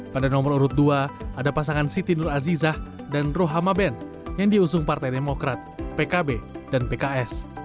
pada nomor urut dua ada pasangan siti nur azizah dan rohama ben yang diusung partai demokrat pkb dan pks